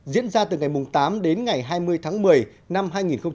diễn ra từ ngày tám đến ngày hai mươi tháng một mươi năm hai nghìn một mươi chín